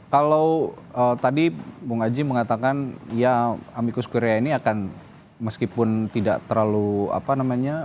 kalau tadi bung aji mengatakan ya amicus korea ini akan meskipun tidak terlalu apa namanya